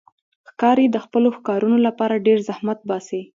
ښکاري د خپلو ښکارونو لپاره ډېر زحمت باسي.